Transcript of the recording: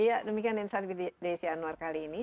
ya demikian insight with desi anwar kali ini